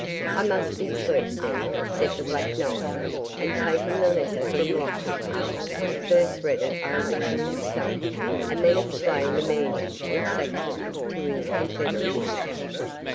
"I must be clerk, then," said the Black Knight; and taking the letter from Locksley, he first read it over to himself, and then explained the meaning in Saxon to his confederates.